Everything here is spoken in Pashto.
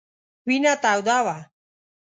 وینه توده وه.